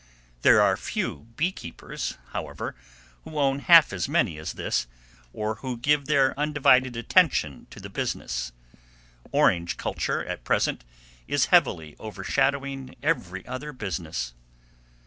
There are few bee keepers, however, who own half as many as this, or who give their undivided attention to the business. Orange culture, at present, is heavily overshadowing every other business.